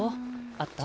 あった？